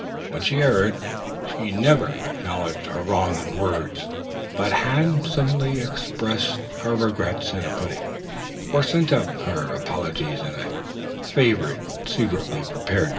When she erred she never acknowledged her wrong in words, but handsomely expressed her regrets in a pudding, or sent up her apologies in a favorite dish secretly prepared.